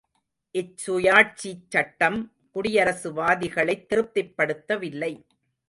இச்சுயாட்சிச்சட்டம் குடியரசுவாதிகளைத் திருப்திப்படுத்தவில்லை.